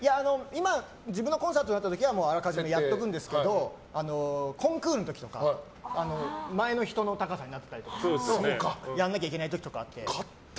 今、自分のコンサートの時はあらかじめやっておくんですけどコンクールの時とか前の人の高さになってたりするとやらなきゃいけない時とかあって。